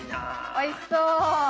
おいしそう。